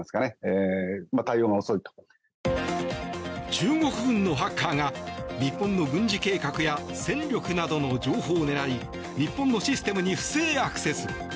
中国軍のハッカーが日本の軍事計画や戦力などの情報を狙い日本のシステムに不正アクセス。